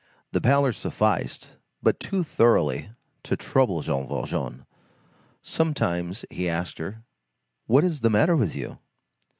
This pallor sufficed but too thoroughly to trouble Jean Valjean. Sometimes he asked her:— "What is the matter with you?"